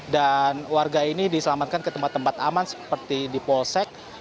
dan warga ini diselamatkan ke tempat tempat aman seperti di polsek